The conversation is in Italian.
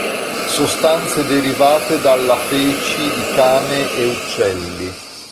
Sostanze derivate dalla feci di cane e uccelli.